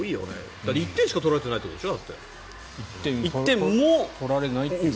だって１点しか取られてないってことでしょ？